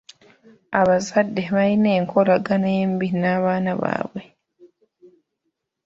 Abazadde balina enkolagana embi n'abaana baabwe.